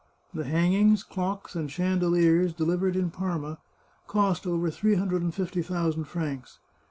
The hangings, clocks, and chande liers, delivered in Parma, cost over three hundred and fifty thousand francs.